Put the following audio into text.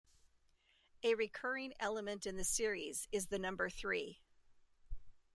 A recurring element in the series is the number three.